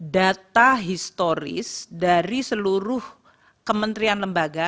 data historis dari seluruh kementerian lembaga